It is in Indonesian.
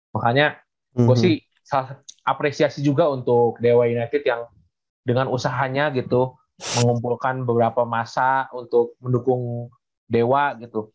makanya gue sih salah apresiasi juga untuk dewa united yang dengan usahanya gitu mengumpulkan beberapa masa untuk mendukung dewa gitu